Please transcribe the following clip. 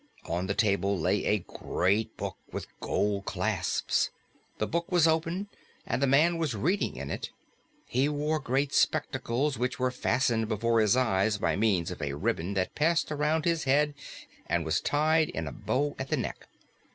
On the table lay a Great Book with gold clasps. The Book was open, and the man was reading in it. He wore great spectacles which were fastened before his eyes by means of a ribbon that passed around his head and was tied in a bow at the neck.